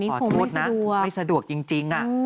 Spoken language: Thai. ขอโทษนะไม่สะดวกจริง